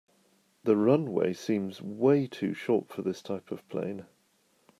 The runway seems way to short for this type of plane.